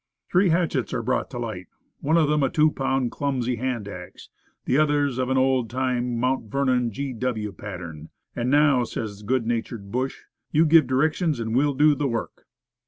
Three hatchets are brought to light; one of them a two pound clumsy hand axe, the others of an old time, Mt. Vernon, G. W. pattern. "And now," says good natured Bush, "you give directions and we'll do the work."